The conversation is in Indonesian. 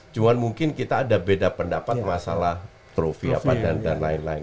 cuma mungkin kita ada beda pendapat masalah trofi apa dan lain lain